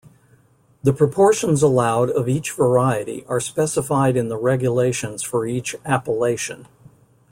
The proportions allowed of each variety are specified in the regulations for each "appellation".